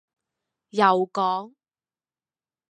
又講